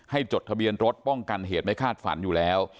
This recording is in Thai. จดทะเบียนรถป้องกันเหตุไม่คาดฝันอยู่แล้ว